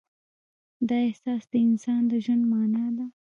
دا احساس د انسان د ژوند معنی ده.